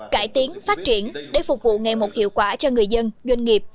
cải tiến phát triển để phục vụ ngày một hiệu quả cho người dân doanh nghiệp